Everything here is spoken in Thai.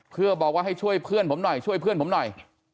เพื่อบอกว่าให้ช่วยเพื่อนผมหน่อยช่วยเพื่อนผมหน่อย